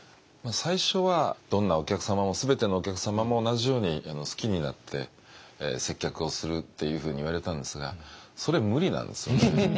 最初はどんなお客様も全てのお客様も同じように好きになって接客をするっていうふうに言われたんですがそれ無理なんですよね。